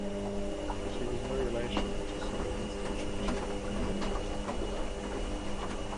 She was no relation to Sir Winston Churchill, who had a daughter called Diana.